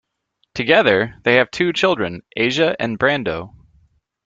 Together, they have two children, Asia and Brando.